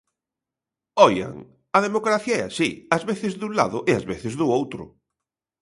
¡Oian!, a democracia é así, ás veces dun lado e ás veces do outro.